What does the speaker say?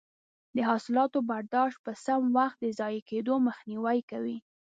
د حاصلاتو برداشت په سم وخت د ضایع کیدو مخنیوی کوي.